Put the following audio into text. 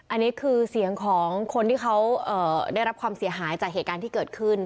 อันนี้คือเสียงของคนที่เขาได้รับความเสียหายจากเหตุการณ์ที่เกิดขึ้น